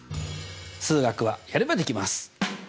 数学はやればできます！